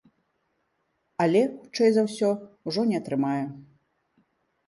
Але, хутчэй за ўсё, ужо не атрымае.